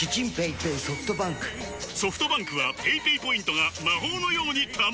ソフトバンクはペイペイポイントが魔法のように貯まる！